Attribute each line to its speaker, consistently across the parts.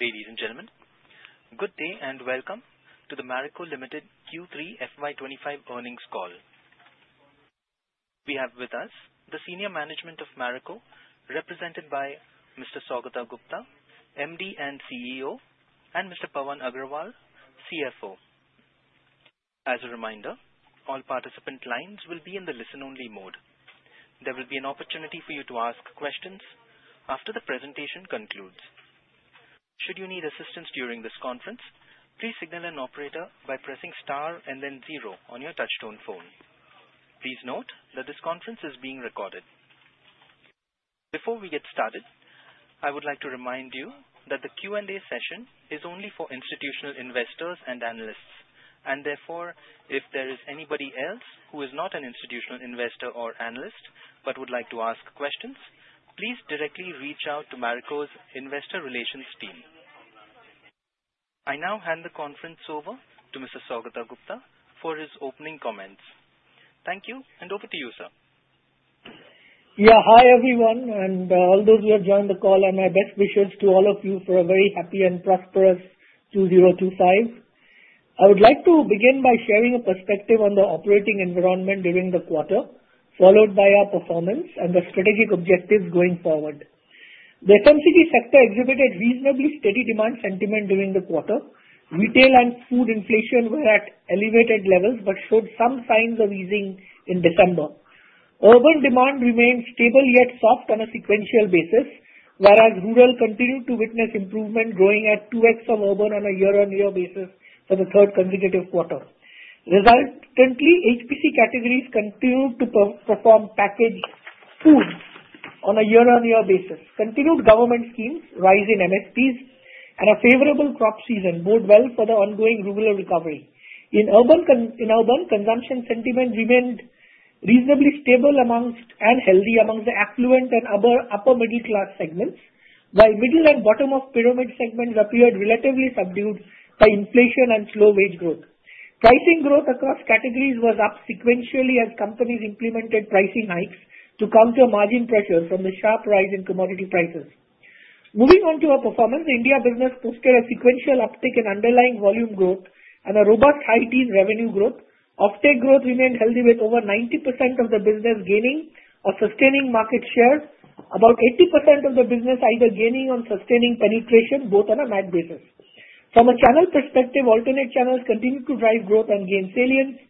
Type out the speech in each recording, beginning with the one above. Speaker 1: Ladies and gentlemen, good day and welcome to the Marico Limited Q3 FY 2025 earnings call. We have with us the Senior Management of Marico, represented by Mr. Saugata Gupta, MD and CEO, and Mr. Pawan Agrawal, CFO. As a reminder, all participant lines will be in the listen-only mode. There will be an opportunity for you to ask questions after the presentation concludes. Should you need assistance during this conference, please signal an operator by pressing star and then zero on your touch-tone phone. Please note that this conference is being recorded. Before we get started, I would like to remind you that the Q&A session is only for institutional investors and analysts, and therefore, if there is anybody else who is not an institutional investor or analyst but would like to ask questions, please directly reach out to Marico's investor relations team. I now hand the conference over to Mr. Saugata Gupta for his opening comments. Thank you, and over to you, sir.
Speaker 2: Yeah, hi everyone, and all those who have joined the call, and my best wishes to all of you for a very happy and prosperous 2025. I would like to begin by sharing a perspective on the operating environment during the quarter, followed by our performance and the strategic objectives going forward. The FMCG sector exhibited reasonably steady demand sentiment during the quarter. Retail and food inflation were at elevated levels but showed some signs of easing in December. Urban demand remained stable yet soft on a sequential basis, whereas rural continued to witness improvement, growing at 2X of urban on a year-on-year basis for the third consecutive quarter. Resultantly, HPC categories continued to outperform packaged food on a year-on-year basis. Continued government schemes, rising MSPs, and a favorable crop season bode well for the ongoing rural recovery. In urban, consumption sentiment remained reasonably stable and healthy among the affluent and upper-middle-class segments, while middle and bottom-of-pyramid segments appeared relatively subdued by inflation and slow wage growth. Pricing growth across categories was up sequentially as companies implemented pricing hikes to counter margin pressure from the sharp rise in commodity prices. Moving on to our performance, India business posted a sequential uptick in underlying volume growth and a robust high-teens revenue growth. Offtake growth remained healthy, with over 90% of the business gaining or sustaining market share, about 80% of the business either gaining or sustaining penetration, both on a MAT basis. From a channel perspective, alternate channels continued to drive growth and gain salience.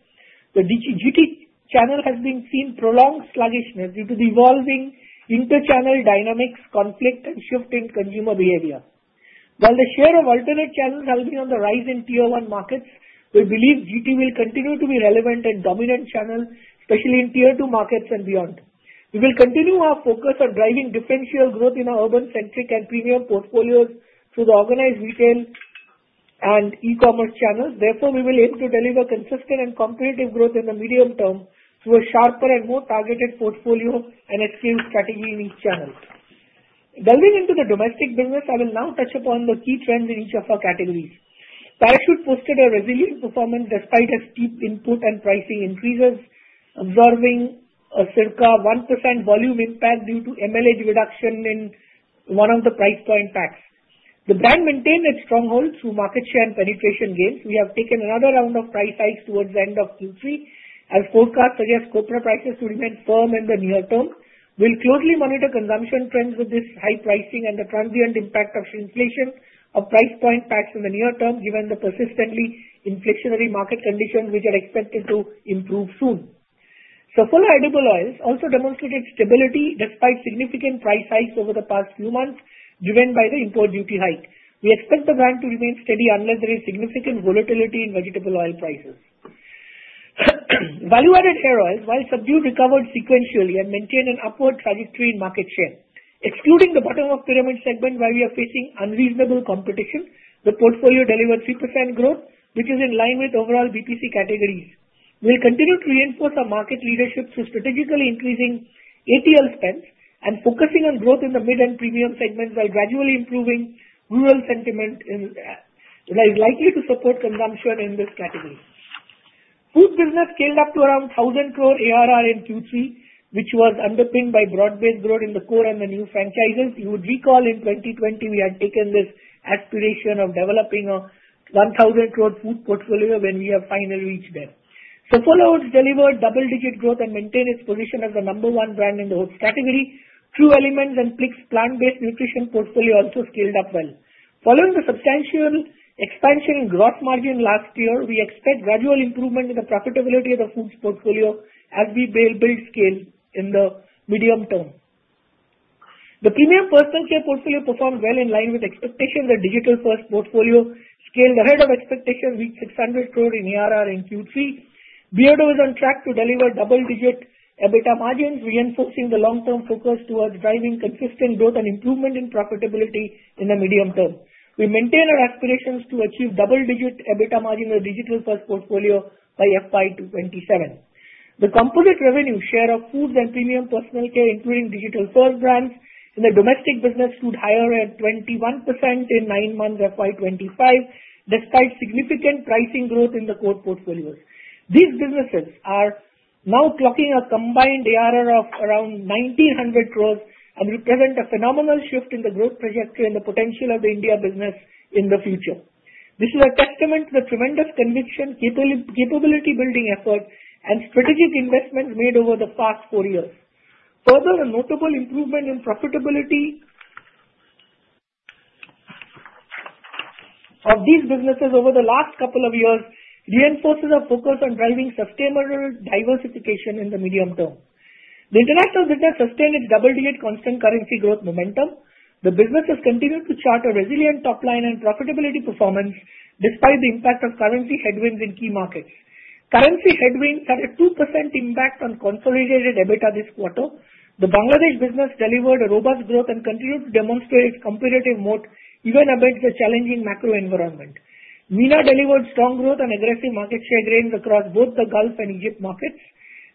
Speaker 2: The GT channel has been seeing prolonged sluggishness due to the evolving interchannel dynamics, conflict, and shifting consumer behavior. While the share of alternate channels has been on the rise in tier-one markets, we believe GT will continue to be a relevant and dominant channel, especially in tier-two markets and beyond. We will continue our focus on driving differential growth in our urban-centric and premium portfolios through the organized retail and e-commerce channels. Therefore, we will aim to deliver consistent and competitive growth in the medium term through a sharper and more targeted portfolio and expansion strategy in each channel. Delving into the domestic business, I will now touch upon the key trends in each of our categories. Parachute posted a resilient performance despite steep input and pricing increases, observing a circa 1% volume impact due to mL reduction in one of the price point packs. The brand maintained its stronghold through market share and penetration gains. We have taken another round of price hikes towards the end of Q3, as forecasts suggest copra prices to remain firm in the near term. We'll closely monitor consumption trends with this high pricing and the transient impact of inflation on price point packs in the near term, given the persistently inflationary market conditions which are expected to improve soon. Saffola Edible Oils also demonstrated stability despite significant price hikes over the past few months, driven by the import duty hike. We expect the brand to remain steady unless there is significant volatility in vegetable oil prices. Value-added hair oils, while subdued, recovered sequentially and maintained an upward trajectory in market share. Excluding the bottom-of-pyramid segment, where we are facing unreasonable competition, the portfolio delivered 3% growth, which is in line with overall BPC categories. We'll continue to reinforce our market leadership through strategically increasing ATL spends and focusing on growth in the mid and premium segments while gradually improving rural sentiment, which is likely to support consumption in this category. Food business scaled up to around 1,000 crore ARR in Q3, which was underpinned by broad-based growth in the core and the new franchises. We would recall in 2020, we had taken this aspiration of developing a 1,000 crore food portfolio when we have finally reached there. Saffola Oats delivered double-digit growth and maintained its position as the number one brand in the oats category. True Elements and Plix plant-based nutrition portfolio also scaled up well. Following the substantial expansion in gross margin last year, we expect gradual improvement in the profitability of the food portfolio as we build scale in the medium term. The premium personal care portfolio performed well in line with expectations. The digital-first portfolio scaled ahead of expectations, reached 600 crore in ARR in Q3. Beardo is on track to deliver double-digit EBITDA margins, reinforcing the long-term focus towards driving consistent growth and improvement in profitability in the medium term. We maintain our aspirations to achieve double-digit EBITDA margins with digital-first portfolio by FY 2027. The composite revenue share of foods and premium personal care, including digital-first brands in the domestic business, stood higher at 21% in nine months FY 2025, despite significant pricing growth in the core portfolios. These businesses are now clocking a combined ARR of around 1,900 crores and represent a phenomenal shift in the growth trajectory and the potential of the India business in the future. This is a testament to the tremendous conviction, capability-building effort, and strategic investments made over the past four years. Further, a notable improvement in profitability of these businesses over the last couple of years reinforces our focus on driving sustainable diversification in the medium term. The international business sustained its double-digit constant currency growth momentum. The businesses continued to chart a resilient top line and profitability performance despite the impact of currency headwinds in key markets. Currency headwinds had a 2% impact on consolidated EBITDA this quarter. The Bangladesh business delivered a robust growth and continued to demonstrate its competitive moat even amidst the challenging macro environment. MENA delivered strong growth and aggressive market share gains across both the Gulf and Egypt markets.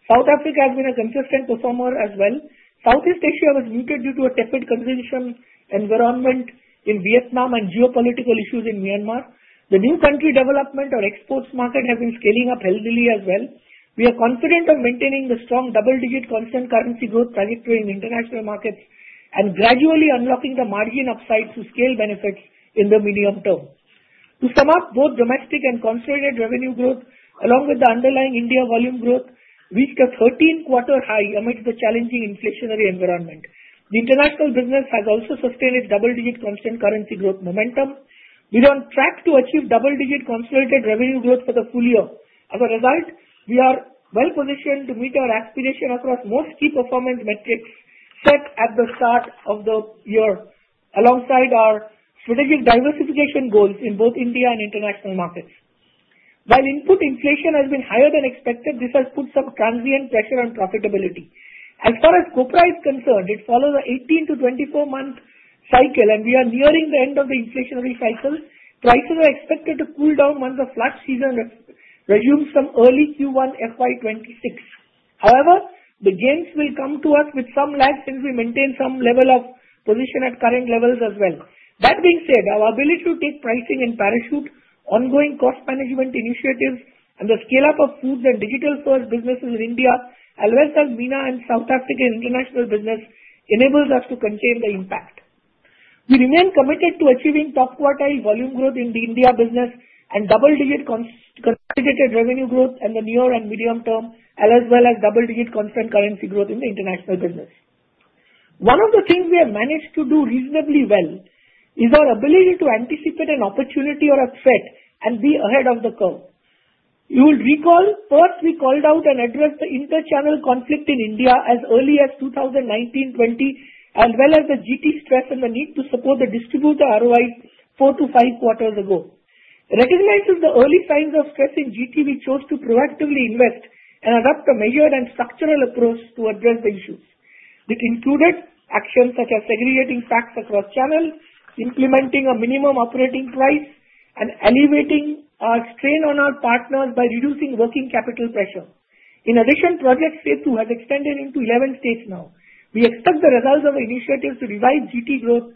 Speaker 2: South Africa has been a consistent performer as well. Southeast Asia was muted due to a tepid consumption environment in Vietnam and geopolitical issues in Myanmar. The new country development or exports market has been scaling up healthily as well. We are confident of maintaining the strong double-digit constant currency growth trajectory in international markets and gradually unlocking the margin upside through scale benefits in the medium term. To sum up, both domestic and consolidated revenue growth, along with the underlying India volume growth, reached a 13-quarter high amidst the challenging inflationary environment. The international business has also sustained its double-digit constant currency growth momentum. We are on track to achieve double-digit consolidated revenue growth for the full year. As a result, we are well-positioned to meet our aspiration across most key performance metrics set at the start of the year, alongside our strategic diversification goals in both India and international markets. While input inflation has been higher than expected, this has put some transient pressure on profitability. As far as copra is concerned, it follows an 18-24-month cycle, and we are nearing the end of the inflationary cycle. Prices are expected to cool down once the flush season resumes from early Q1 FY 2026. However, the gains will come to us with some lag since we maintain some level of position at current levels as well. That being said, our ability to take pricing and Parachute ongoing cost management initiatives and the scale-up of foods and digital-first businesses in India, as well as MENA and South African international business, enables us to contain the impact. We remain committed to achieving top-quartile volume growth in the India business and double-digit consolidated revenue growth in the near and medium term, as well as double-digit constant currency growth in the international business. One of the things we have managed to do reasonably well is our ability to anticipate an opportunity or a threat and be ahead of the curve. You will recall, first, we called out and addressed the interchannel conflict in India as early as 2019-2020, as well as the GT stress and the need to support the distributor ROI four to five quarters ago. Recognizing the early signs of stress in GT, we chose to proactively invest and adopt a measured and structural approach to address the issues. It included actions such as segregating SKUs across channels, implementing a minimum operating price, and alleviating our strain on our partners by reducing working capital pressure. In addition, Project Setu has extended into 11 states now. We expect the results of the initiatives to revive GT growth,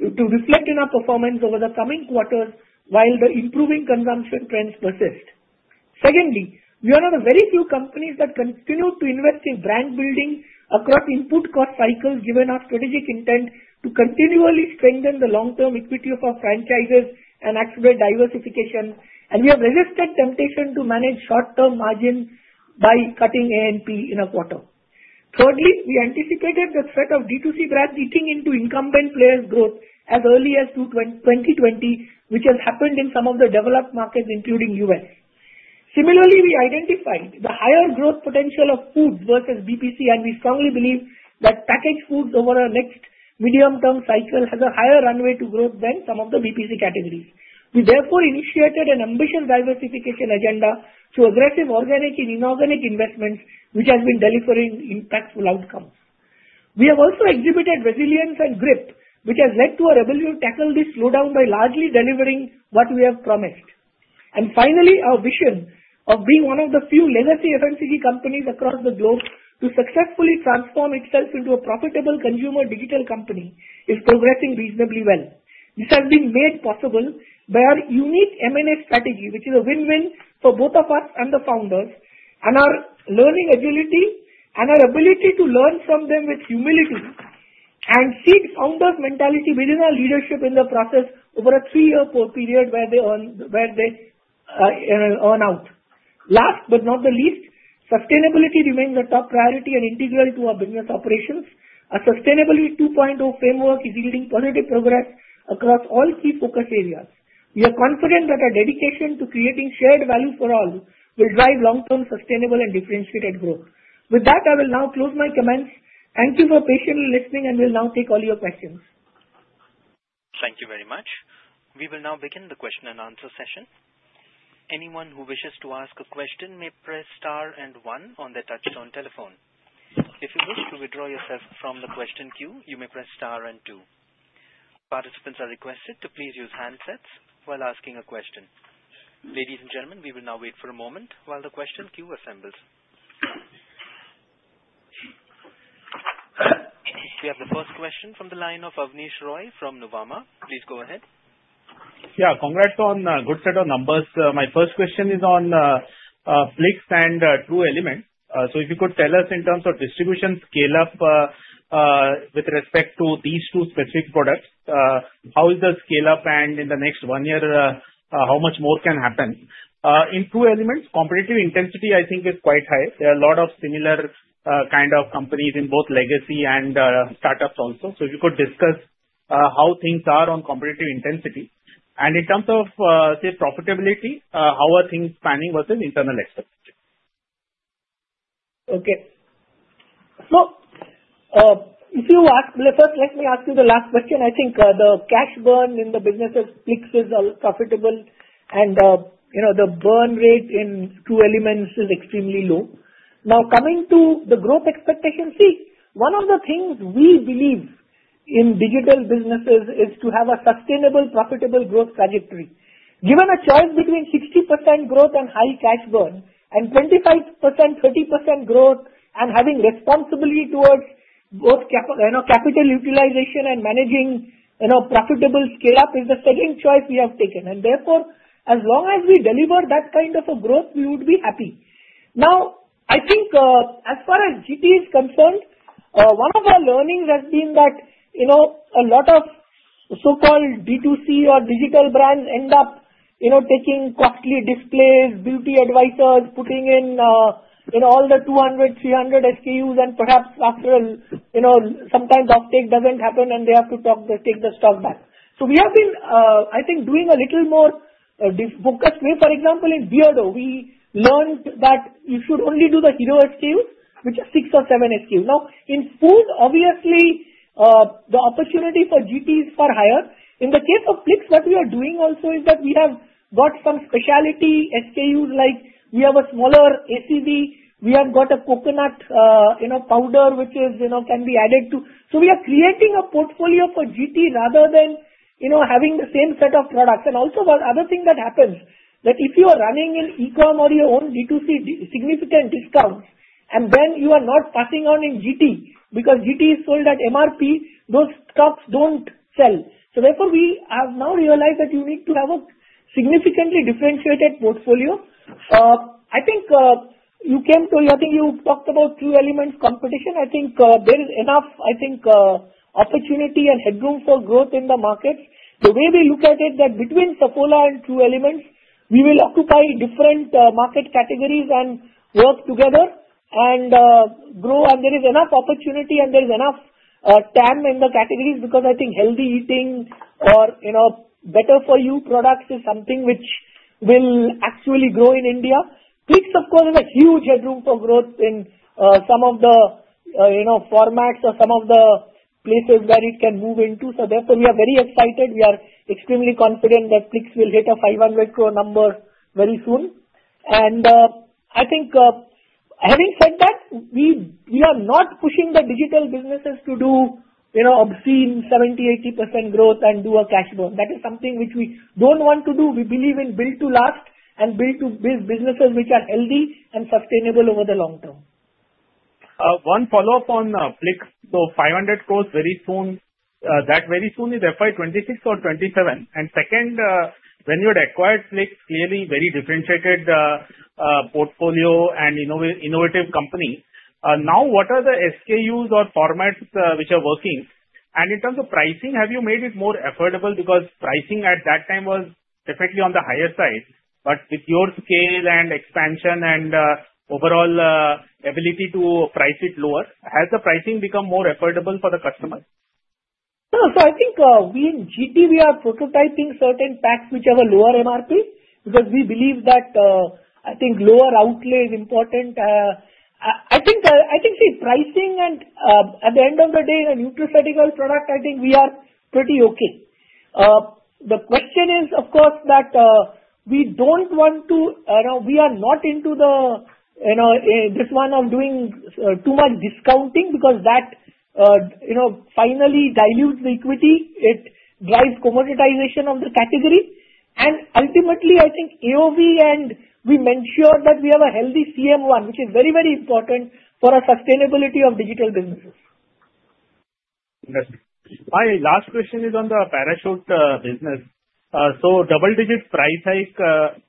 Speaker 2: to reflect in our performance over the coming quarters while the improving consumption trends persist. Secondly, we are one of the very few companies that continue to invest in brand building across input cost cycles, given our strategic intent to continually strengthen the long-term equity of our franchises and accelerate diversification, and we have resisted temptation to manage short-term margins by cutting A&P in a quarter. Thirdly, we anticipated the threat of D2C brands eating into incumbent players' growth as early as 2020, which has happened in some of the developed markets, including the U.S. Similarly, we identified the higher growth potential of foods versus BPC, and we strongly believe that packaged foods over our next medium-term cycle have a higher runway to grow than some of the BPC categories. We therefore initiated an ambitious diversification agenda through aggressive organic and inorganic investments, which has been delivering impactful outcomes. We have also exhibited resilience and grip, which has led to our ability to tackle this slowdown by largely delivering what we have promised, and finally, our vision of being one of the few legacy FMCG companies across the globe to successfully transform itself into a profitable consumer digital company is progressing reasonably well. This has been made possible by our unique M&A strategy, which is a win-win for both of us and the founders, and our learning agility, and our ability to learn from them with humility and seed founder's mentality within our leadership in the process over a three-year period where they earn out. Last but not least, sustainability remains a top priority and integral to our business operations. Our Sustainability 2.0 framework is yielding positive progress across all key focus areas. We are confident that our dedication to creating shared value for all will drive long-term sustainable and differentiated growth. With that, I will now close my comments. Thank you for patiently listening, and we'll now take all your questions.
Speaker 1: Thank you very much. We will now begin the question and answer session. Anyone who wishes to ask a question may press star and one on their touch-tone telephone. If you wish to withdraw yourself from the question queue, you may press star and two. Participants are requested to please use handsets while asking a question. Ladies and gentlemen, we will now wait for a moment while the question queue assembles. We have the first question from the line of Abneesh Roy from Nuvama. Please go ahead.
Speaker 3: Yeah, congrats on a good set of numbers. My first question is on Plix and True Elements. So if you could tell us in terms of distribution scale-up with respect to these two specific products, how is the scale-up, and in the next one year, how much more can happen? In True Elements, competitive intensity, I think, is quite high. There are a lot of similar kind of companies in both legacy and startups also. So if you could discuss how things are on competitive intensity. And in terms of profitability, how are things spanning versus internal expectations?
Speaker 2: Okay. So if you ask me, first, let me ask you the last question. I think the cash burn in the business of Plix is profitable, and the burn rate in True Elements is extremely low. Now, coming to the growth expectations, see, one of the things we believe in digital businesses is to have a sustainable, profitable growth trajectory. Given a choice between 60% growth and high cash burn and 25%-30% growth, and having responsibility towards both capital utilization and managing profitable scale-up is the second choice we have taken. And therefore, as long as we deliver that kind of a growth, we would be happy. Now, I think as far as GT is concerned, one of our learnings has been that a lot of so-called D2C or digital brands end up taking costly displays, beauty advisors, putting in all the 200, 300 SKUs, and perhaps after some time offtake doesn't happen, and they have to take the stock back. So we have been, I think, doing a little more focused. For example, in Beardo, we learned that you should only do the hero SKUs, which are six or seven SKUs. Now, in food, obviously, the opportunity for GT is far higher. In the case of Plix, what we are doing also is that we have got some specialty SKUs, like we have a smaller ACV. We have got a coconut powder, which can be added to. So we are creating a portfolio for GT rather than having the same set of products. And also, one other thing that happens is that if you are running in e-com or your own D2C, significant discounts, and then you are not passing on in GT because GT is sold at MRP, those stocks don't sell. So therefore, we have now realized that you need to have a significantly differentiated portfolio. I think you came to. I think you talked about True Elements competition. I think there is enough. I think opportunity and headroom for growth in the markets. The way we look at it is that between Saffola and True Elements, we will occupy different market categories and work together and grow. And there is enough opportunity, and there is enough time in the categories because I think healthy eating or better-for-you products is something which will actually grow in India. Plix, of course, has a huge headroom for growth in some of the formats or some of the places where it can move into. So therefore, we are very excited. We are extremely confident that Plix will hit a 500 crore number very soon. And I think having said that, we are not pushing the digital businesses to do obscene 70%-80% growth and do a cash burn. That is something which we don't want to do. We believe in build-to-last and build businesses which are healthy and sustainable over the long term.
Speaker 3: One follow-up on Plix. So 500 crores very soon. That very soon is FY 2026 or 2027. And second, when you had acquired Plix, clearly very differentiated portfolio and innovative company. Now, what are the SKUs or formats which are working? And in terms of pricing, have you made it more affordable? Because pricing at that time was definitely on the higher side. But with your scale and expansion and overall ability to price it lower, has the pricing become more affordable for the customers?
Speaker 2: So I think we in GT, we are prototyping certain packs which have a lower MRP because we believe that, I think, lower outlay is important. I think, see, pricing and at the end of the day, in a nutraceutical product, I think we are pretty okay. The question is, of course, that we don't want to. We are not into this one of doing too much discounting because that finally dilutes the equity. It drives commoditization of the category, and ultimately, I think AOV, and we make sure that we have a healthy CM1, which is very, very important for our sustainability of digital businesses.
Speaker 3: My last question is on the Parachute business. So double-digit price hike.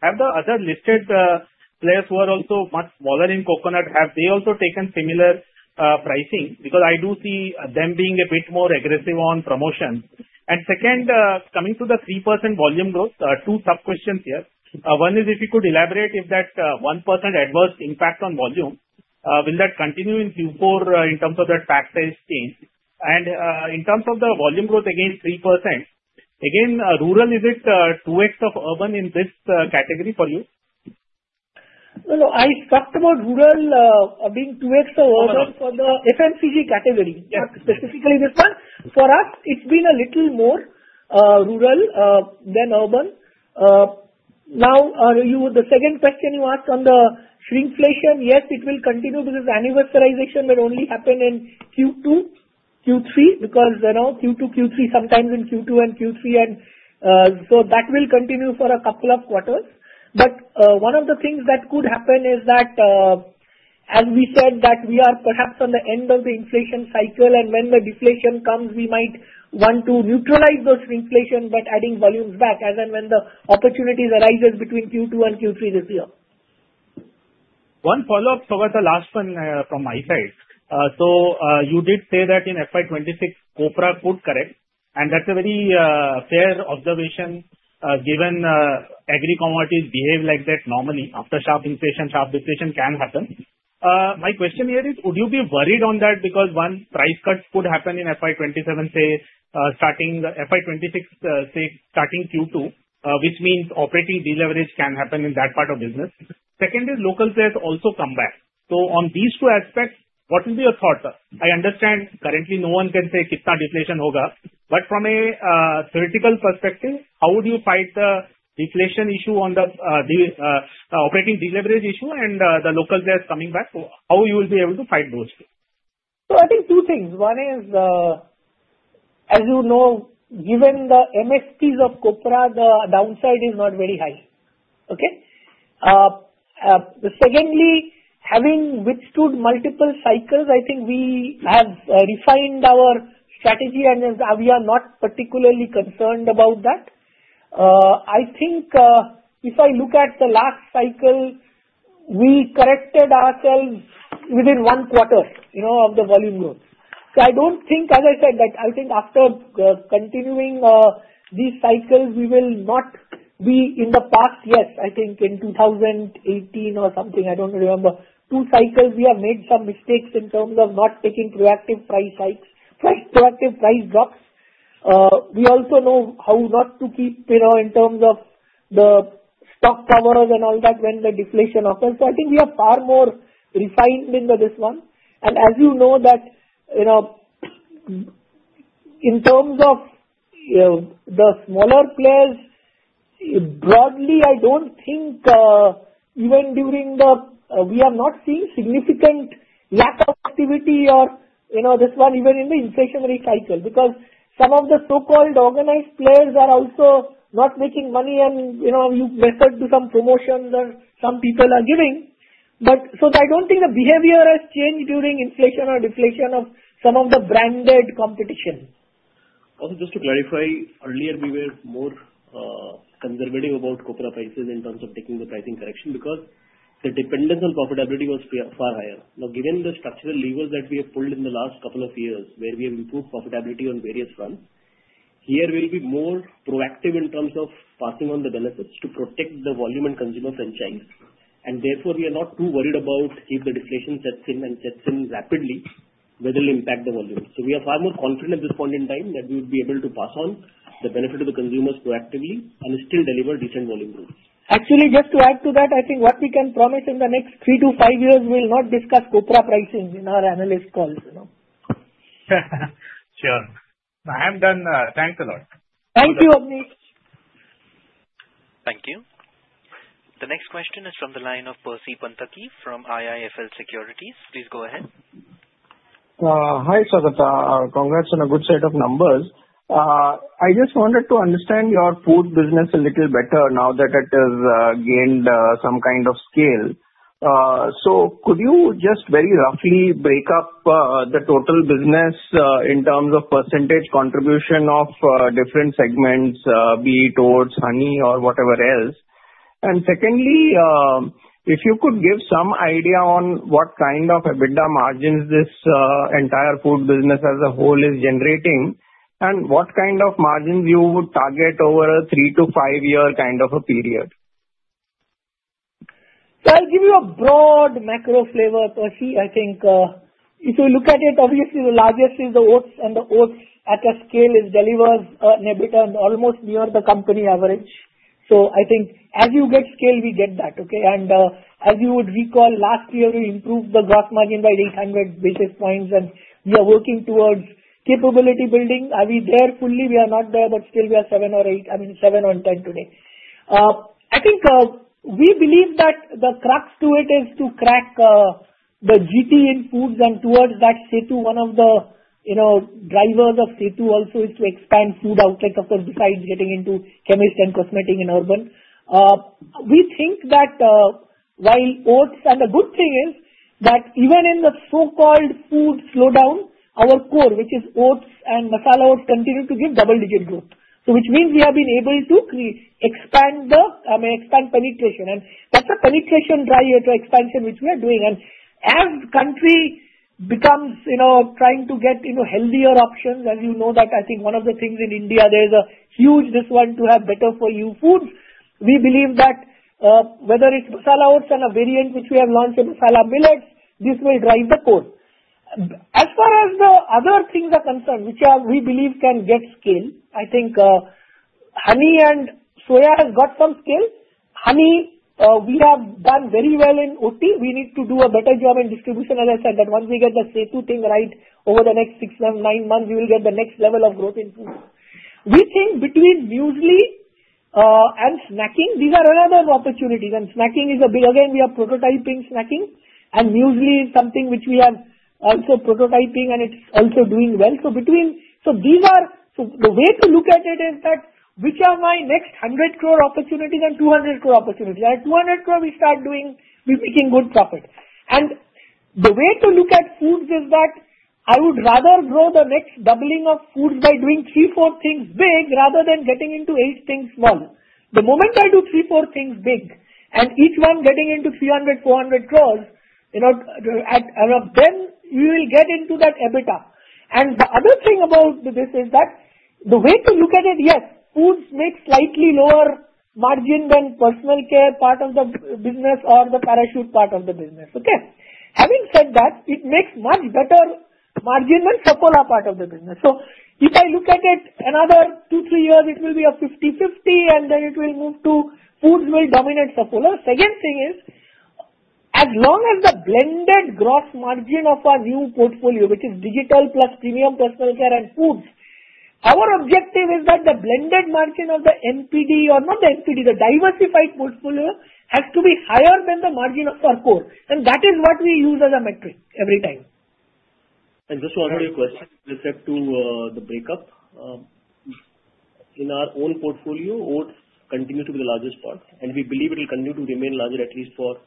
Speaker 3: Have the other listed players who are also much smaller in coconut, have they also taken similar pricing? Because I do see them being a bit more aggressive on promotions. And second, coming to the 3% volume growth, two sub-questions here. One is if you could elaborate if that 1% adverse impact on volume, will that continue in Q4 in terms of that pack size change? In terms of the volume growth against 3%, again, rural is it 2x of urban in this category for you?
Speaker 2: I talked about rural being 2x of urban for the FMCG category, not specifically this one. For us, it's been a little more rural than urban. Now, the second question you asked on the shrinkflation, yes, it will continue because universalization will only happen in Q2, Q3, because Q2, Q3, sometimes in Q2 and Q3. And so that will continue for a couple of quarters. But one of the things that could happen is that, as we said, that we are perhaps on the end of the inflation cycle, and when the deflation comes, we might want to neutralize those shrinkflation but adding volumes back as and when the opportunities arise between Q2 and Q3 this year.
Speaker 3: One follow-up, Saugata, last one from my side. You did say that in FY 2026, copra could correct. And that's a very fair observation given agri-commodities behave like that normally. After sharp inflation, sharp deflation can happen. My question here is, would you be worried on that because one, price cuts could happen in FY 2027, say, starting FY 2026, say, starting Q2, which means operating deleverage can happen in that part of business? Second is local players also come back. So on these two aspects, what is your thought? I understand currently no one can say kitna deflation hoga. But from a theoretical perspective, how would you fight the deflation issue on the operating deleverage issue and the local players coming back? How will you be able to fight those two?
Speaker 2: I think two things. One is, as you know, given the MSPs of copra, the downside is not very high. Okay? Secondly, having withstood multiple cycles, I think we have refined our strategy, and we are not particularly concerned about that. I think if I look at the last cycle, we corrected ourselves within one quarter of the volume growth. So I don't think, as I said, that I think after continuing these cycles, we will not be in the past. Yes, I think in 2018 or something, I don't remember, two cycles, we have made some mistakes in terms of not taking proactive price hikes, proactive price drops. We also know how not to keep in terms of the stock covers and all that when the deflation occurs. So I think we are far more refined in this one. And as you know that in terms of the smaller players, broadly, I don't think even during the we are not seeing significant lack of activity or this one even in the inflationary cycle because some of the so-called organized players are also not making money, and you refer to some promotions that some people are giving. But so I don't think the behavior has changed during inflation or deflation of some of the branded competition.
Speaker 4: Also, just to clarify, earlier we were more conservative about copra prices in terms of taking the pricing correction because the dependence on profitability was far higher. Now, given the structural levers that we have pulled in the last couple of years where we have improved profitability on various fronts, here we'll be more proactive in terms of passing on the benefits to protect the volume and consumer franchise. And therefore, we are not too worried about if the deflation sets in and sets in rapidly, whether it will impact the volume. So we are far more confident at this point in time that we would be able to pass on the benefit to the consumers proactively and still deliver decent volume growth.
Speaker 2: Actually, just to add to that, I think what we can promise in the next three to five years will not discuss Copra pricing in our analyst calls.
Speaker 3: Sure. I'm done. Thanks a lot.
Speaker 2: Thank you, Avneesh.
Speaker 1: Thank you. The next question is from the line of Percy Panthaki from IIFL Securities. Please go ahead.
Speaker 5: Hi, Saugata. Congrats on a good set of numbers. I just wanted to understand your food business a little better now that it has gained some kind of scale. So could you just very roughly break up the total business in terms of percentage contribution of different segments, be it oats, honey, or whatever else? And secondly, if you could give some idea on what kind of EBITDA margins this entire food business as a whole is generating and what kind of margins you would target over a three- to five-year kind of a period.
Speaker 2: I'll give you a broad macro flavor, Percy. I think if you look at it, obviously, the largest is the oats, and the oats at a scale is delivers an EBITDA almost near the company average. So I think as you get scale, we get that. Okay? And as you would recall, last year, we improved the gross margin by 800 basis points, and we are working towards capability building. Are we there fully? We are not there, but still we are seven or eight, I mean, seven or ten today. I think we believe that the crux to it is to crack the GT in foods and towards that, Setu, one of the drivers of Setu also is to expand food outlets, of course, besides getting into chemist and cosmetic and urban. We think that while oats and the good thing is that even in the so-called food slowdown, our core, which is oats and masala oats, continue to give double-digit growth. So which means we have been able to expand the, I mean, expand penetration. And that's a penetration drive to expansion which we are doing. And as the country becomes trying to get healthier options, as you know, that I think one of the things in India, there is a huge thirst to have better for you foods. We believe that whether it's Masala Oats and a variant which we have launched in Masala Millets, this will drive the core. As far as the other things are concerned, which we believe can get scale, I think honey and soya have got some scale. Honey, we have done very well in OT. We need to do a better job in distribution as I said that once we get the Setu thing right over the next six, seven, nine months, we will get the next level of growth in food. We think between muesli and snacking, these are another opportunities, and snacking is a big, again, we are prototyping snacking, and muesli is something which we are also prototyping, and it's also doing well, so these are the way to look at it is that which are my next 100 crore opportunities and 200 crore opportunities. At 200 crore, we start doing, we're making good profit. And the way to look at foods is that I would rather grow the next doubling of foods by doing three, four things big rather than getting into eight things small. The moment I do three, four things big and each one getting into 300, 400 crores, then we will get into that EBITDA. And the other thing about this is that the way to look at it, yes, foods make slightly lower margin than personal care part of the business or the Parachute part of the business. Okay? Having said that, it makes much better margin than Saffola part of the business. So if I look at it, another two, three years, it will be a 50/50, and then it will move to foods will dominate Saffola. Second thing is, as long as the blended gross margin of our new portfolio, which is digital plus premium personal care and foods, our objective is that the blended margin of the NPD or not the NPD, the diversified portfolio has to be higher than the margin of our core. And that is what we use as a metric every time.
Speaker 4: And just to answer your question with respect to the breakup, in our own portfolio, oats continue to be the largest part, and we believe it will continue to remain larger at least for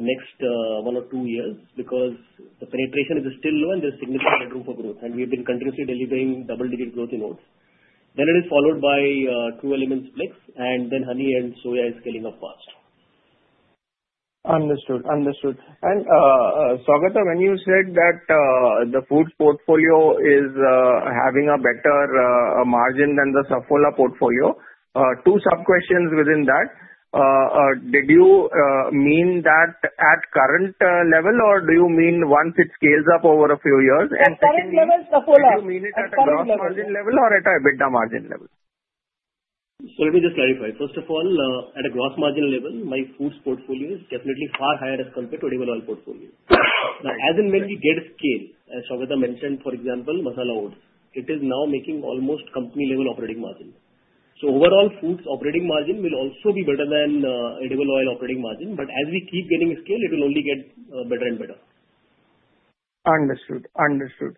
Speaker 4: the next one or two years because the penetration is still low and there's significant headroom for growth. And we have been continuously delivering double-digit growth in oats. Then it is followed by True Elements, Plix, and then honey and soya is scaling up fast. Understood. Understood.
Speaker 5: Saugata, when you said that the food portfolio is having a better margin than the Saffola portfolio, two sub-questions within that. Did you mean that at current level, or do you mean once it scales up over a few years?
Speaker 2: At current level, Saffola.
Speaker 5: Do you mean it at current level or at EBITDA margin level?
Speaker 4: Let me just clarify. First of all, at a gross margin level, my foods portfolio is definitely far higher as compared to edible oil portfolio.
Speaker 5: Now, as and when we get scale, as Saugata mentioned, for example, masala oats, it is now making almost company-level operating margin.
Speaker 4: Overall, foods operating margin will also be better than edible oil operating margin. But as we keep getting scale, it will only get better and better.
Speaker 5: Understood. Understood.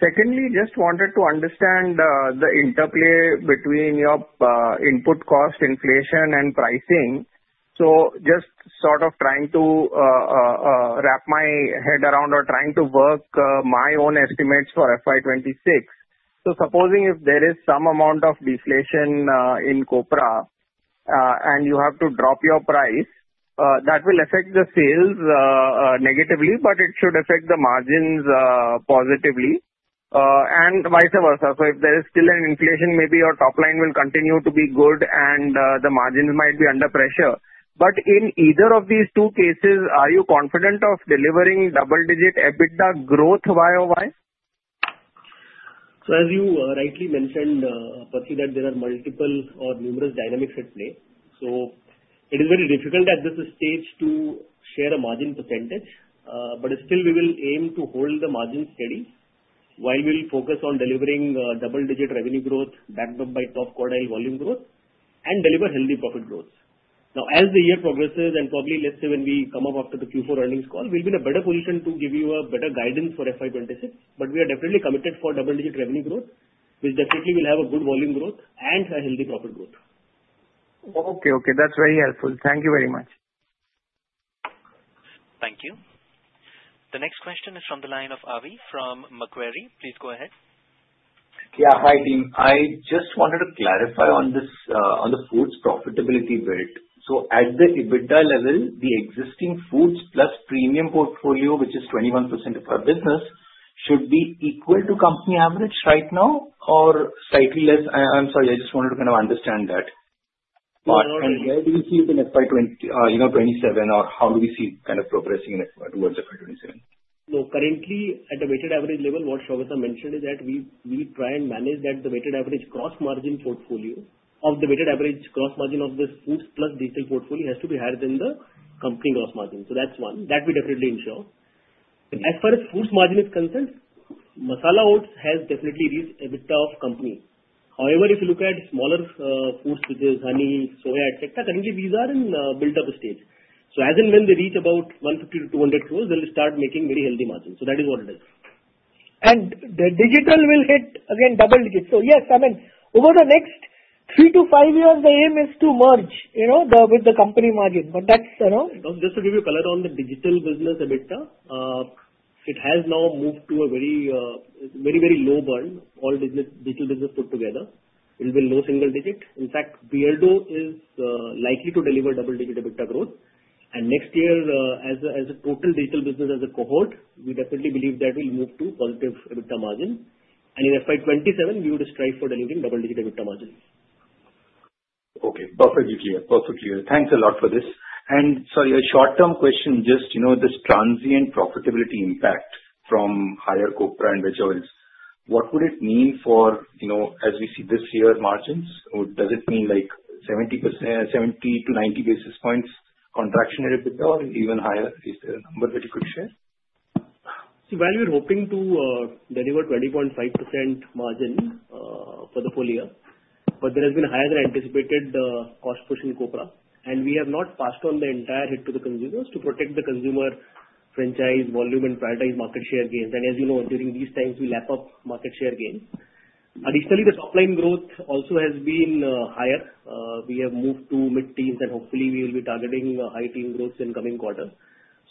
Speaker 5: Secondly, just wanted to understand the interplay between your input cost, inflation, and pricing. So just sort of trying to wrap my head around or trying to work my own estimates for FY 2026. So supposing if there is some amount of deflation in copra and you have to drop your price, that will affect the sales negatively, but it should affect the margins positively and vice versa. So if there is still an inflation, maybe your top line will continue to be good and the margins might be under pressure. But in either of these two cases, are you confident of delivering double-digit EBITDA growth YOY?
Speaker 4: So as you rightly mentioned, Percy, that there are multiple or numerous dynamics at play. So it is very difficult at this stage to share a margin percentage, but still we will aim to hold the margin steady while we will focus on delivering double-digit revenue growth backed up by top quartile volume growth and deliver healthy profit growth. Now, as the year progresses and probably, let's say when we come up after the Q4 earnings call, we'll be in a better position to give you a better guidance for FY 2026. But we are definitely committed for double-digit revenue growth, which definitely will have a good volume growth and a healthy profit growth.
Speaker 5: Okay. Okay. That's very helpful. Thank you very much.
Speaker 1: Thank you. The next question is from the line of Avi from Macquarie. Please go ahead.
Speaker 6: Yeah. Hi, team. I just wanted to clarify on the foods profitability build. So at the EBITDA level, the existing foods plus premium portfolio, which is 21% of our business, should be equal to company average right now or slightly less? I'm sorry. I just wanted to kind of understand that. And where do we see it in FY 2027, or how do we see kind of progressing towards FY 2027?
Speaker 4: So currently, at the weighted average level, what Saugata mentioned is that we try and manage that the weighted average gross margin portfolio of the weighted average gross margin of this foods plus digital portfolio has to be higher than the company gross margin. So that's one. That we definitely ensure. As far as foods margin is concerned, masala oats has definitely reached EBITDA of company. However, if you look at smaller foods, which is honey, soya, etc., currently these are in built-up stage. So as in when they reach about 150-200 crores, they'll start making very healthy margin. So that is what it is.
Speaker 2: And the digital will hit, again, double-digit. So yes, I mean, over the next three to five years, the aim is to merge with the company margin. But that's
Speaker 4: just to give you a color on the digital business EBITDA, it has now moved to a very, very low burn all digital business put together. It will be low single digit. In fact, Beardo is likely to deliver double-digit EBITDA growth. And next year, as a total digital business as a cohort, we definitely believe that we'll move to positive EBITDA margin. And in FY 2027, we would strive for delivering double-digit EBITDA margin.
Speaker 6: Okay. Perfectly clear. Perfectly clear. Thanks a lot for this. Sorry, a short-term question, just this transient profitability impact from higher copra and retailers, what would it mean for, as we see this year, margins? Does it mean like 70 to 90 basis points contraction in EBITDA or even higher? Is there a number that you could share?
Speaker 4: See, while we're hoping to deliver 20.5% margin for the full year, but there has been higher than anticipated cost push in copra. And we have not passed on the entire hit to the consumers to protect the consumer franchise volume and prioritize market share gains. And as you know, during these times, we lap up market share gains. Additionally, the top line growth also has been higher. We have moved to mid-teens, and hopefully, we will be targeting high-teens growth in coming quarters,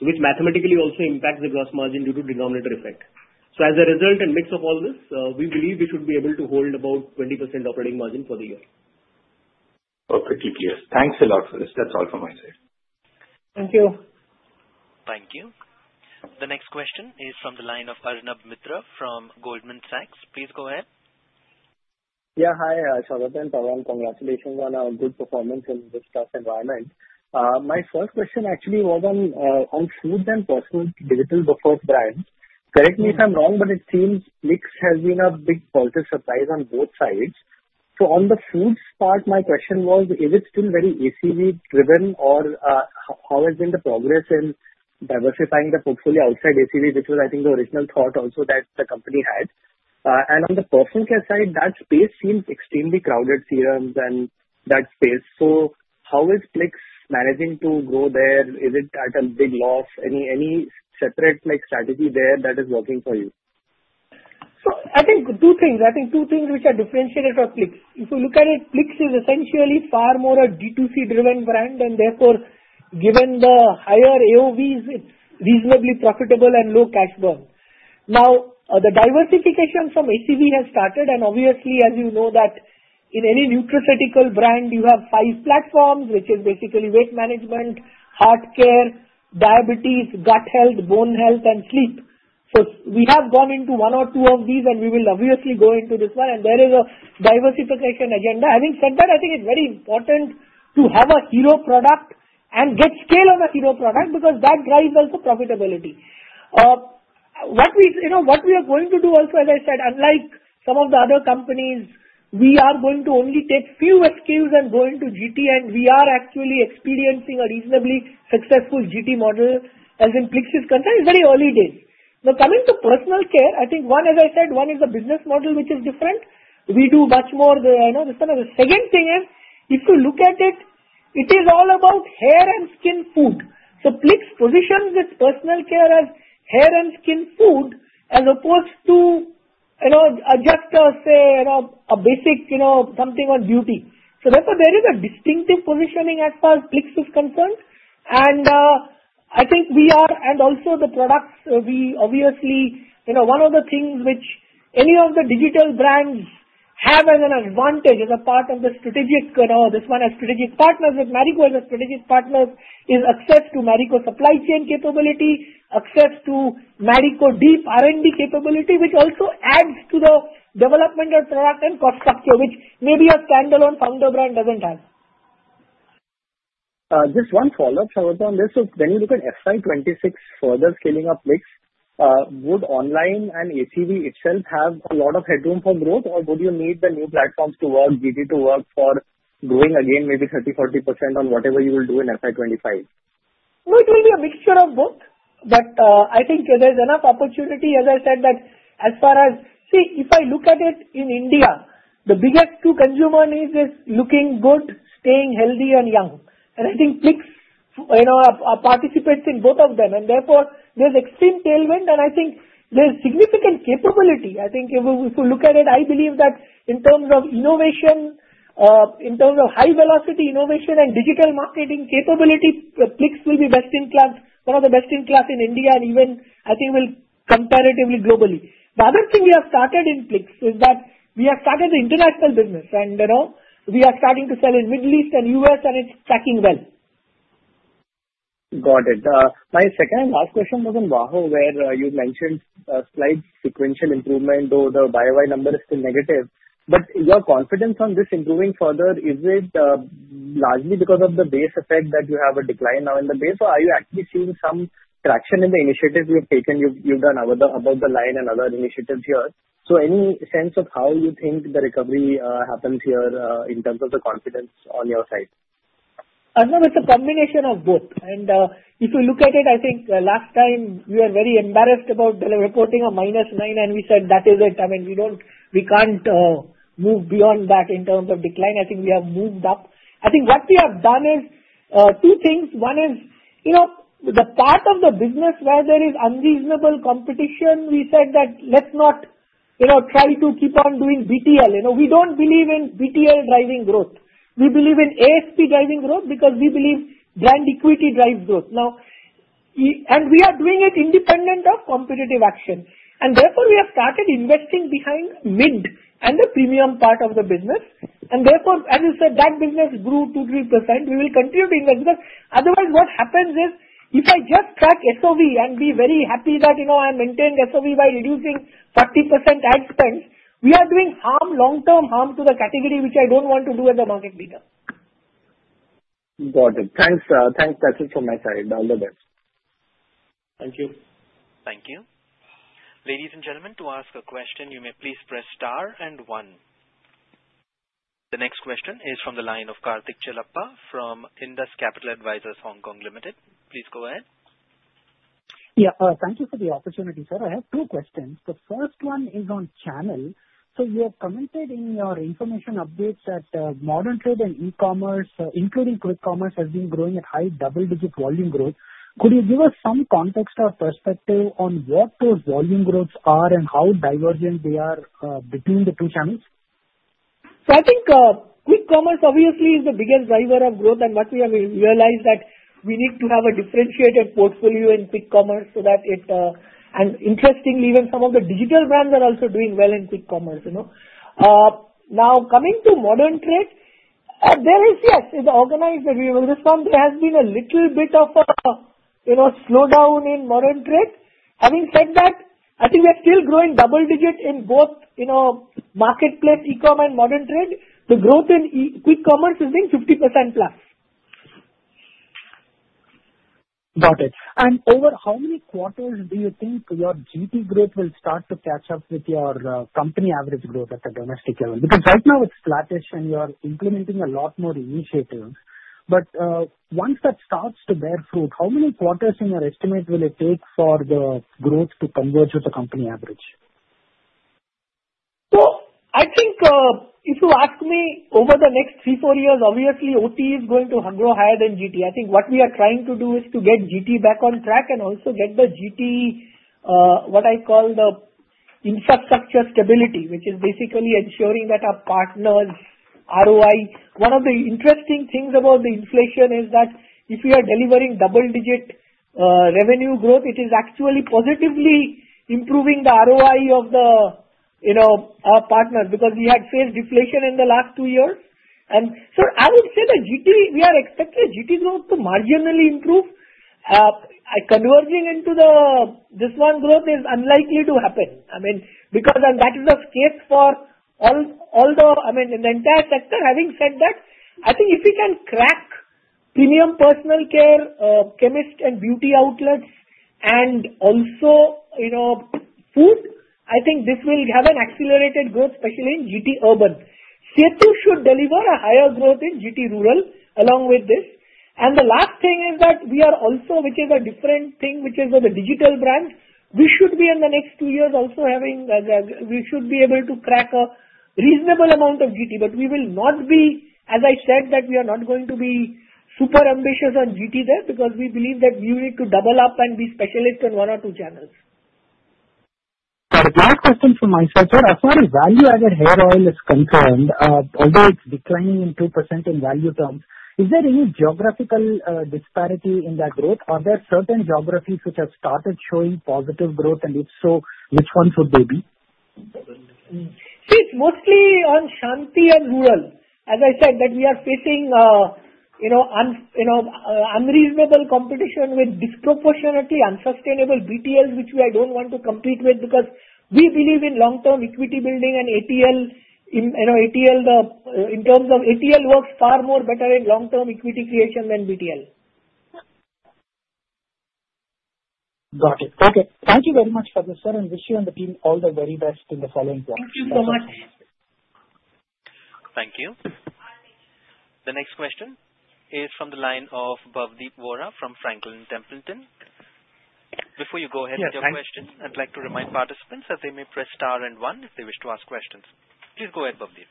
Speaker 4: which mathematically also impacts the gross margin due to denominator effect. So as a result and mix of all this, we believe we should be able to hold about 20% operating margin for the year.
Speaker 6: Perfectly clear. Thanks a lot for this. That's all from my side.
Speaker 2: Thank you.
Speaker 1: Thank you. The next question is from the line of Arnab Mitra from Goldman Sachs. Please go ahead.
Speaker 7: Yeah. Hi, Saugata and Pawan. Congratulations on a good performance in this tough environment. My first question actually was on foods and personal digital buffer brands. Correct me if I'm wrong, but it seems Plix has been a big positive surprise on both sides. So on the foods part, my question was, is it still very ACV-driven, or how has been the progress in diversifying the portfolio outside ACV, which was, I think, the original thought also that the company had? On the personal care side, that space seems extremely crowded, serums and that space. How is Plix managing to grow there? Is it at a big loss? Any separate strategy there that is working for you?
Speaker 2: I think two things which are differentiated from Plix. If you look at it, Plix is essentially far more a D2C-driven brand, and therefore, given the higher AOVs, it's reasonably profitable and low cash burn. The diversification from ACV has started, and obviously, as you know, that in any nutraceutical brand, you have five platforms, which is basically weight management, heart care, diabetes, gut health, bone health, and sleep. We have gone into one or two of these, and we will obviously go into this one. There is a diversification agenda. Having said that, I think it's very important to have a hero product and get scale on a hero product because that drives also profitability. What we are going to do also, as I said, unlike some of the other companies, we are going to only take fewer SKUs and go into GT, and we are actually experiencing a reasonably successful GT model, as far as Plix is concerned, in very early days. Now, coming to personal care, I think one, as I said, one is the business model, which is different. We do much more than this one. The second thing is, if you look at it, it is all about hair and skin food. So Plix positions its personal care as hair and skin food as opposed to just, say, a basic something on beauty. So therefore, there is a distinctive positioning as far as Plix is concerned. And I think we are, and also the products, we obviously, one of the things which any of the digital brands have as an advantage as a part of the strategic this one has strategic partners with Marico as a strategic partner is access to Marico supply chain capability, access to Marico deep R&D capability, which also adds to the development of product and cost structure, which maybe a standalone founder brand doesn't have. Just one follow-up, Saugata, on this. So when you look at FY 2026 further scaling up Plix, would online and ACV itself have a lot of headroom for growth, or would you need the new platforms to work, GT to work for growing again maybe 30%-40% on whatever you will do in FY 2025? No, it will be a mixture of both. But I think there's enough opportunity, as I said, that as far as I see, if I look at it in India, the biggest two consumer needs is looking good, staying healthy, and young, and I think Plix participates in both of them, and therefore, there's extreme tailwind, and I think there's significant capability. I think if you look at it, I believe that in terms of innovation, in terms of high-velocity innovation and digital marketing capability, Plix will be best in class, one of the best in class in India, and even, I think, will comparatively globally. The other thing we have started in Plix is that we have started the international business, and we are starting to sell in the Middle East and U.S., and it's stacking well.
Speaker 7: Got it. My second and last question was on VAHO, where you mentioned slight sequential improvement, though the year-over-year number is still negative. But your confidence on this improving further, is it largely because of the base effect that you have a decline now in the base? Or are you actually seeing some traction in the initiatives you have taken you've done above the line and other initiatives here? So any sense of how you think the recovery happens here in terms of the confidence on your side?
Speaker 2: I know it's a combination of both. And if you look at it, I think last time, we were very embarrassed about reporting a minus 9, and we said, "That is it." I mean, we can't move beyond that in terms of decline. I think we have moved up. I think what we have done is two things. One is the part of the business where there is unreasonable competition. We said that let's not try to keep on doing BTL. We don't believe in BTL driving growth. We believe in AP driving growth because we believe brand equity drives growth. And we are doing it independent of competitive action. And therefore, we have started investing behind mid and the premium part of the business. And therefore, as I said, that business grew 2%-3%. We will continue to invest because otherwise, what happens is if I just track SOV and be very happy that I maintained SOV by reducing 40% ad spend, we are doing long-term harm to the category, which I don't want to do as a market leader.
Speaker 7: Got it. Thanks. Thanks. That's it from my side. All the best.
Speaker 4: Thank you.
Speaker 1: Thank you. Ladies and gentlemen, to ask a question, you may please press star and one. The next question is from the line of Karthik Chellappa from Indus Capital Advisors Hong Kong Limited. Please go ahead.
Speaker 8: Yeah. Thank you for the opportunity, sir. I have two questions. The first one is on channel. So you have commented in your information updates that modern trade and e-commerce, including quick commerce, has been growing at high double-digit volume growth. Could you give us some context or perspective on what those volume growths are and how divergent they are between the two channels?
Speaker 2: So I think quick commerce obviously is the biggest driver of growth, and what we have realized is that we need to have a differentiated portfolio in quick commerce so that it and interestingly, even some of the digital brands are also doing well in quick commerce. Now, coming to modern trade, there is, yes, in the organized modern trade business, there has been a little bit of a slowdown in modern trade. Having said that, I think we are still growing double-digit in both marketplace, e-com, and modern trade. The growth in quick commerce is being 50% +.
Speaker 8: Got it. And over how many quarters do you think your GT growth will start to catch up with your company average growth at the domestic level? Because right now, it's flattish, and you are implementing a lot more initiatives. But once that starts to bear fruit, how many quarters in your estimate will it take for the growth to converge with the company average?
Speaker 2: Well, I think if you ask me over the next three, four years, obviously, OT is going to grow higher than GT. I think what we are trying to do is to get GT back on track and also get the GT, what I call the infrastructure stability, which is basically ensuring that our partners' ROI. One of the interesting things about the inflation is that if we are delivering double-digit revenue growth, it is actually positively improving the ROI of the partners because we had faced deflation in the last two years. And so I would say that GT, we are expecting GT growth to marginally improve. Converging into this one growth is unlikely to happen. I mean, because that is a case for all the, I mean, in the entire sector. Having said that, I think if we can crack premium personal care, chemist and beauty outlets, and also food, I think this will have an accelerated growth, especially in GT urban. Setu should deliver a higher growth in GT rural along with this. And the last thing is that we are also, which is a different thing, which is for the digital brand, we should be in the next two years also having we should be able to crack a reasonable amount of GT. But we will not be, as I said, that we are not going to be super ambitious on GT there because we believe that we need to double up and be specialists on one or two channels.
Speaker 8: Got it. Last question from my side, sir. As far as value-added hair oil is concerned, although it's declining in 2% in value terms, is there any geographical disparity in that growth? Are there certain geographies which have started showing positive growth, and if so, which ones would they be?
Speaker 2: See, it's mostly on Shanti and rural. As I said, that we are facing unreasonable competition with disproportionately unsustainable BTLs, which we don't want to compete with because we believe in long-term equity building and ATL. In terms of ATL, it works far more better in long-term equity creation than BTL.
Speaker 8: Got it. Okay. Thank you very much, Saugata, sir, and wish you and the team all the very best in the following quarter.
Speaker 2: Thank you so much.
Speaker 1: Thank you. The next question is from the line of Bhavdeep Vora from Franklin Templeton. Before you go ahead with your question, I'd like to remind participants that they may press star and one if they wish to ask questions. Please go ahead, Bhavdeep.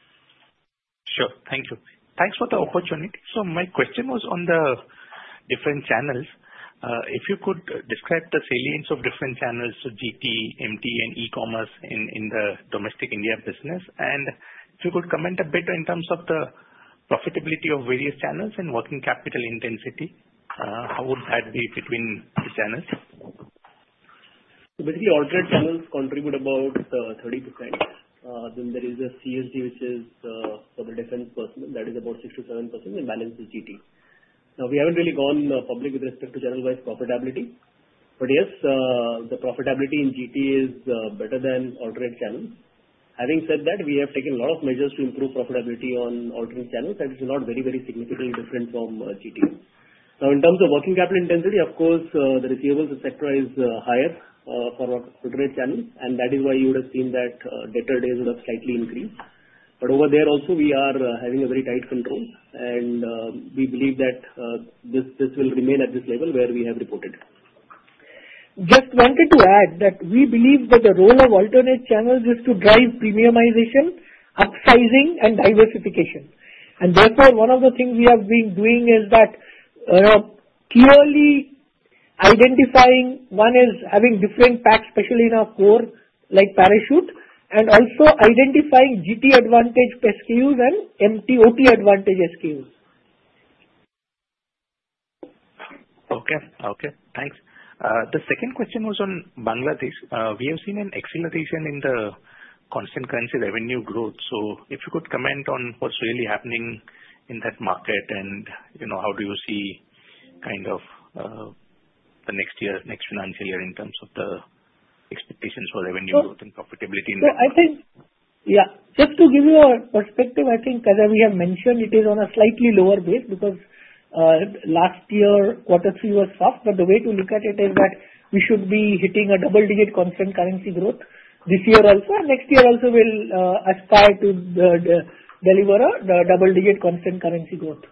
Speaker 1: Sure. Thank you. Thanks for the opportunity. So my question was on the different channels.
Speaker 9: If you could describe the salience of different channels, GT, MT, and e-commerce in the domestic India business, and if you could comment a bit in terms of the profitability of various channels and working capital intensity, how would that be between the channels?
Speaker 4: Basically, alternate channels contribute about 30%. Then there is a CSD, which is for the defense personnel. That is about 6%-7%, and balance is GT. Now, we haven't really gone public with respect to channel-wise profitability. But yes, the profitability in GT is better than alternate channels. Having said that, we have taken a lot of measures to improve profitability on alternate channels, and it's not very, very significantly different from GT. Now, in terms of working capital intensity, of course, the receivables stretch is higher for alternate channels, and that is why you would have seen that debtor days would have slightly increased. But over there also, we are having a very tight control, and we believe that this will remain at this level where we have reported.
Speaker 2: Just wanted to add that we believe that the role of alternate channels is to drive premiumization, upsizing, and diversification. And therefore, one of the things we have been doing is that clearly identifying one is having different packs, especially in our core, like Parachute, and also identifying GT advantage SKUs and MT OT advantage SKUs.
Speaker 9: Okay. Okay. Thanks. The second question was on Bangladesh. We have seen an acceleration in the constant currency revenue growth. So if you could comment on what's really happening in that market and how do you see kind of the next year, next financial year in terms of the expectations for revenue growth and profitability in that market.
Speaker 2: Yeah. Just to give you a perspective, I think, as we have mentioned, it is on a slightly lower base because last year, quarter three was tough. But the way to look at it is that we should be hitting a double-digit constant currency growth this year also, and next year also will aspire to deliver a double-digit constant currency growth.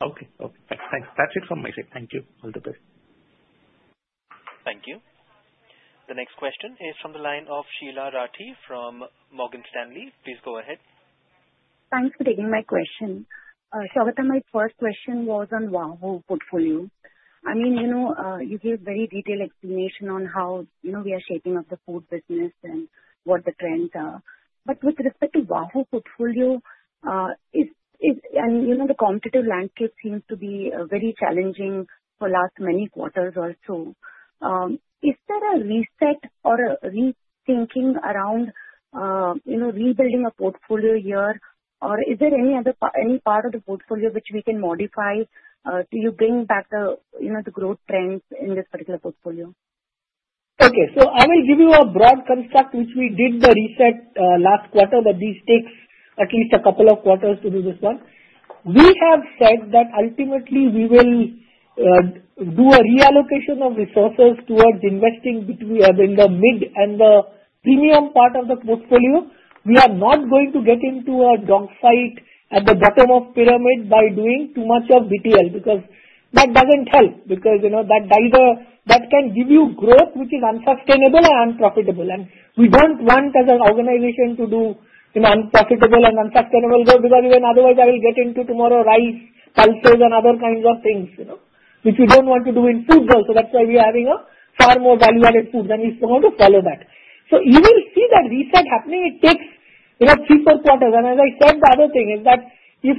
Speaker 9: Okay. Okay. Thanks. That's it from my side. Thank you. All the best.
Speaker 1: Thank you. The next question is from the line of Sheela Rathi from Morgan Stanley. Please go ahead. Thanks for taking my question. Saugata, my first question was on VAHO portfolio.
Speaker 10: I mean, you gave very detailed explanation on how we are shaping up the food business and what the trends are. But with respect to VAHO portfolio, and the competitive landscape seems to be very challenging for the last many quarters or so. Is there a reset or a rethinking around rebuilding a portfolio here, or is there any part of the portfolio which we can modify to bring back the growth trends in this particular portfolio?
Speaker 2: Okay. So I will give you a broad construct, which we did the reset last quarter, but this takes at least a couple of quarters to do this one. We have said that ultimately, we will do a reallocation of resources towards investing in the mid and the premium part of the portfolio. We are not going to get into a dogfight at the bottom of pyramid by doing too much of BTL because that doesn't help. Because that can give you growth, which is unsustainable and unprofitable. And we don't want, as an organization, to do unprofitable and unsustainable growth because otherwise, I will get into tomato rice pulses and other kinds of things, which we don't want to do in food. So that's why we are having a far more value-added food, and we want to follow that. So you will see that reset happening. It takes three or four quarters. And as I said, the other thing is that if,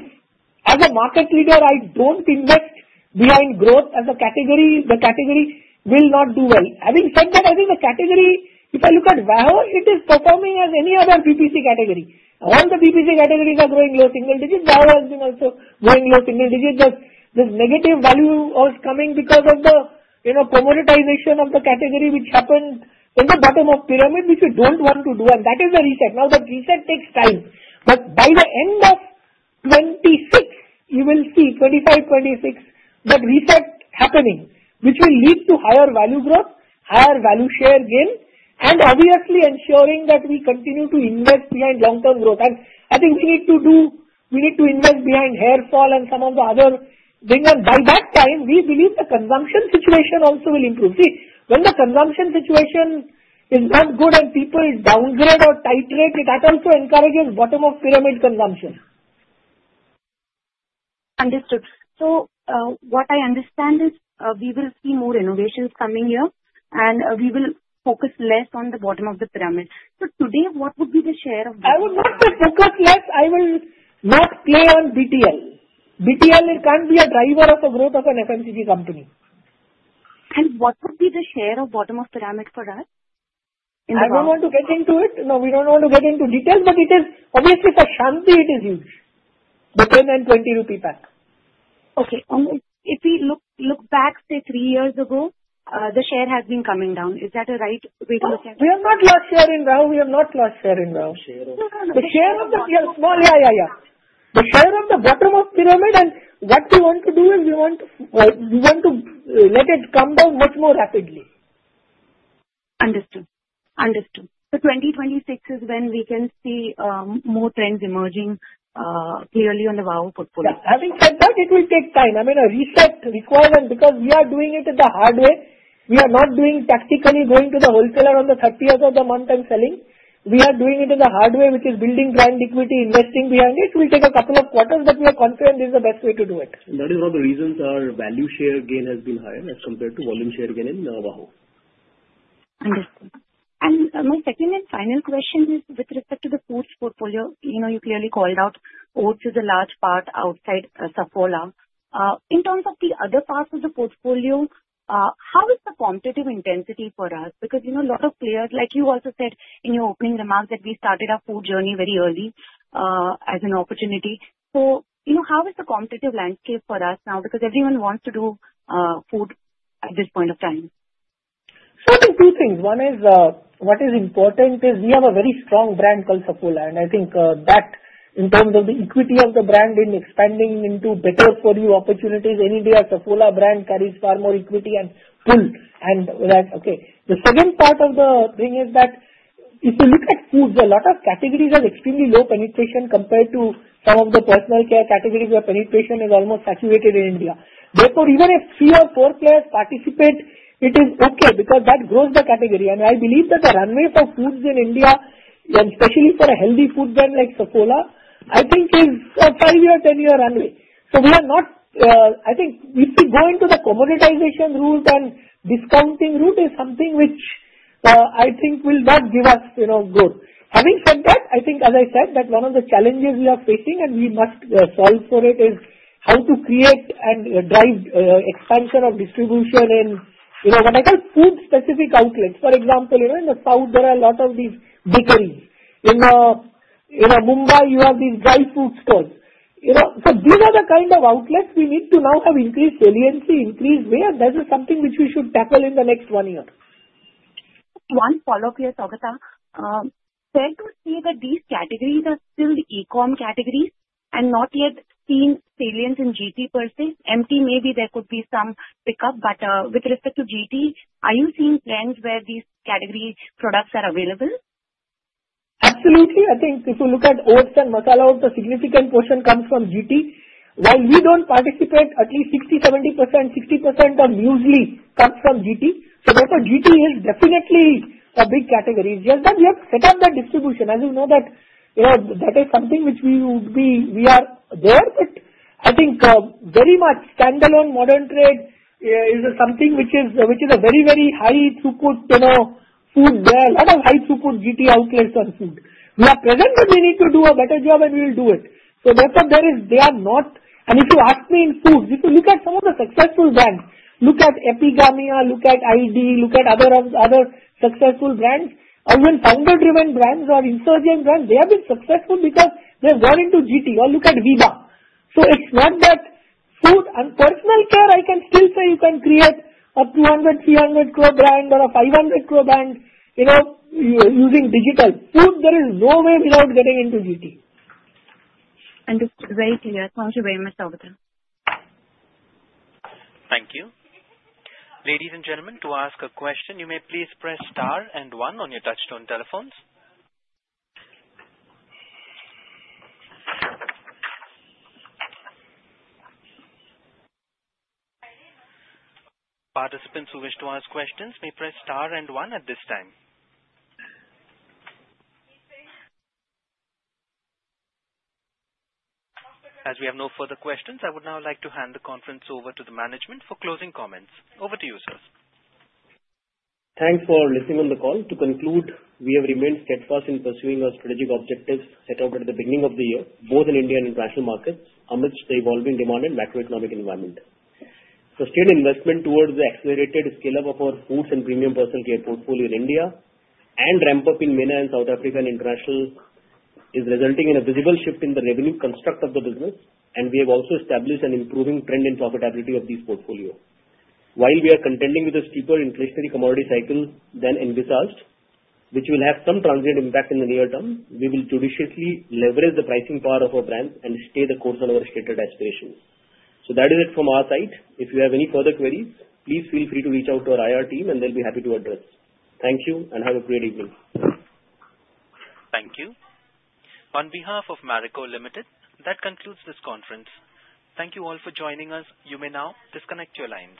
Speaker 2: as a market leader, I don't invest behind growth as a category, the category will not do well. Having said that, I think the category, if I look at VAHO, it is performing as any other BPC category. All the BPC categories are growing low single digits. VAHO has been also growing low single digits. This negative value was coming because of the commoditization of the category, which happened in the bottom of pyramid, which we don't want to do, and that is the reset. Now, that reset takes time, but by the end of 2026, you will see 2025, 2026, that reset happening, which will lead to higher value growth, higher value share gain, and obviously ensuring that we continue to invest behind long-term growth, and I think we need to invest behind hair fall and some of the other things and buy back time. We believe the consumption situation also will improve. See, when the consumption situation is not good and people downgrade or titrate, it also encourages bottom-of-pyramid consumption.
Speaker 10: Understood. So what I understand is we will see more innovations coming here, and we will focus less on the bottom of the pyramid. So today, what would be the share of BTL?
Speaker 2: I would like to focus less. I will not play on BTL. BTL can be a driver of the growth of an FMCG company.
Speaker 10: And what would be the share of bottom-of-pyramid for that?
Speaker 2: I don't want to get into it. No, we don't want to get into details. But obviously, for Shanti, it is huge, the 10 and 20 rupee pack.
Speaker 10: Okay. If we look back, say, three years ago, the share has been coming down. Is that a right way to look at it?
Speaker 2: We have not lost share in VAHO. We have not lost share in VAHO. The share of the small. The share of the bottom-of-pyramid, and what we want to do is we want to let it come down much more rapidly.
Speaker 10: Understood. Understood. So 2026 is when we can see more trends emerging clearly on the VAHO portfolio.
Speaker 2: Having said that, it will take time. I mean, a reset requires because we are doing it in the hard way. We are not doing tactically going to the wholesaler on the 30th of the month and selling. We are doing it in the hard way, which is building brand equity, investing behind it. It will take a couple of quarters, but we are confident this is the best way to do it.
Speaker 4: That is why the reasons are value share gain has been higher as compared to volume share gain in VAHO.
Speaker 10: Understood. And my second and final question is with respect to the foods portfolio. You clearly called out oats as a large part outside Saffola. In terms of the other parts of the portfolio, how is the quantitative intensity for us? Because a lot of players, like you also said in your opening remarks, that we started our food journey very early as an opportunity. So how is the competitive landscape for us now? Because everyone wants to do food at this point of time.
Speaker 2: So I think two things. One is what is important is we have a very strong brand called Saffola, and I think that in terms of the equity of the brand in expanding into better-for-you opportunities, any day a Saffola brand carries far more equity and pull. And okay. The second part of the thing is that if you look at foods, a lot of categories have extremely low penetration compared to some of the personal care categories where penetration is almost saturated in India. Therefore, even if three or four players participate, it is okay because that grows the category, and I believe that the runway for foods in India, and especially for a healthy food brand like Saffola, I think is a five-year, 10-year runway, so we are not I think if we go into the commoditization route and discounting route is something which I think will not give us growth. Having said that, I think, as I said, that one of the challenges we are facing and we must solve for it is how to create and drive expansion of distribution in what I call food-specific outlets. For example, in the south, there are a lot of these bakeries. In Mumbai, you have these dry fruit stores. So these are the kind of outlets we need to now have increased saliency, increased weight, and that is something which we should tackle in the next one year.
Speaker 10: One follow-up here, Saugata. Fair to say that these categories are still the e-com categories and not yet seen salience in GT per se. MT, maybe there could be some pickup, but with respect to GT, are you seeing trends where these category products are available?
Speaker 2: Absolutely. I think if you look at oats and masala oats, a significant portion comes from GT. While we don't participate, at least 60%-70%, 60% of Muesli comes from GT. So therefore, GT is definitely a big category. It's just that we have set up the distribution. As you know, that is something which we are there, but I think very much standalone modern trade is something which is a very, very high throughput food. There are a lot of high throughput GT outlets on food. We are present, and we need to do a better job, and we will do it. So therefore, they are not. And if you ask me in foods, if you look at some of the successful brands, look at Epigamia, look at iD, look at other successful brands, or even founder-driven brands or insurgent brands, they have been successful because they've gone into GT. Or look at Veeba. So it's not that food and personal care, I can still say you can create a 200 crore, 300 crore brand or a 500 crore brand using digital. Food, there is no way without getting into GT.
Speaker 10: Understood. Very clear. Thank you very much, Saugata.
Speaker 1: Thank you. Ladies and gentlemen, to ask a question, you may please press star and one on your touch-tone telephones. Participants who wish to ask questions may press star and one at this time. As we have no further questions, I would now like to hand the conference over to the management for closing comments. Over to you, sir.
Speaker 4: Thanks for listening on the call. To conclude, we have remained steadfast in pursuing our strategic objectives set out at the beginning of the year, both in Indian and international markets, amidst the evolving demand and macroeconomic environment. Sustained investment towards the accelerated scale-up of our foods and premium personal care portfolio in India and ramp-up in MENA and South Africa and international is resulting in a visible shift in the revenue construct of the business, and we have also established an improving trend in profitability of these portfolios. While we are contending with a steeper inflationary commodity cycle than envisaged, which will have some transient impact in the near term, we will judiciously leverage the pricing power of our brands and stay the course on our stated aspirations. So that is it from our side. If you have any further queries, please feel free to reach out to our IR team, and they'll be happy to address. Thank you, and have a great evening.
Speaker 1: Thank you. On behalf of Marico Limited, that concludes this conference. Thank you all for joining us. You may now disconnect your lines.